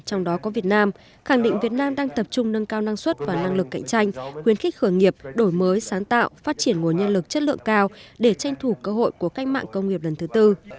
trong đó có việt nam khẳng định việt nam đang tập trung nâng cao năng suất và năng lực cạnh tranh khuyến khích khởi nghiệp đổi mới sáng tạo phát triển nguồn nhân lực chất lượng cao để tranh thủ cơ hội của cách mạng công nghiệp lần thứ tư